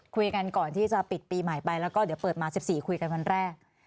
ก่อนที่จะปิดปีใหม่ไปแล้วก็เดี๋ยวเปิดมา๑๔คุยกันวันแรก